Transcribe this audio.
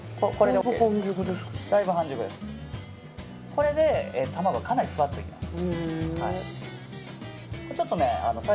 これで卵かなりふわっといきます。